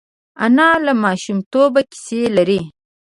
انا له ماشومتوبه کیسې لري